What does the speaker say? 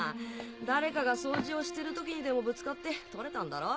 誰かが掃除をしてる時にでもぶつかって取れたんだろ。